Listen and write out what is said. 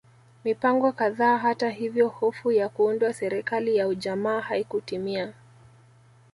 Mipango kadhaa hata hivyo hofu ya kuundwa serikali ya ujamaa haikutimia